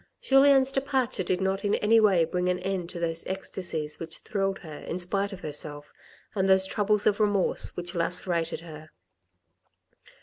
Julien's departure did not in any way bring to an end those ecstacies which thrilled her in spite of herself, and those troubles of remorse which lacerated her.